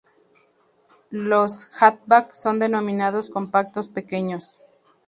Los hatchback son denominados "Compactos Pequeños".